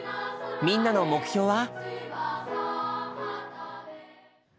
みんなの目標は？